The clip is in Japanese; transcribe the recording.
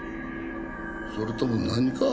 それとも何か？